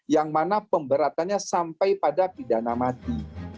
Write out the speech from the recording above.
yang mana pemberatannya sampai pada pidana mati